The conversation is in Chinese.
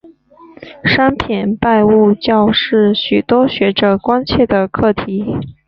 商品拜物教是许多学者关切的课题。